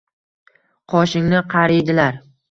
Qoshingni qayirdilar